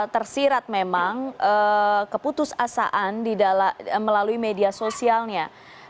tersirat memang keputus asaan melalui media sosialnya